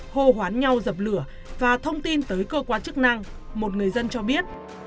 hô hoán nhau dập lửa và thông tin tới cơ quan chức năng một người dân cho biết